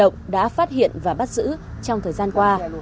các đội kiểm lâm cơ động đã phát hiện và bắt giữ trong thời gian qua